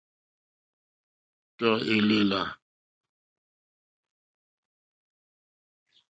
Tɔ̀ èlèlà.